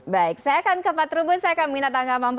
baik saya akan ke empat saya akan minat tanggapan empat